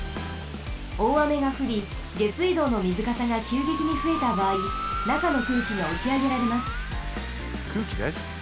おおあめがふりげすいどうのみずかさがきゅうげきにふえたばあいなかのくうきがおしあげられます。